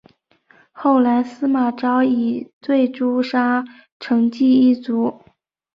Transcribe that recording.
后来司马昭以罪诛杀成济一族。